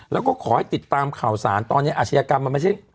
แล้วก็ขอให้ติดตามข่าวสารตอนนี้อาชญากรรมมันไม่ใช่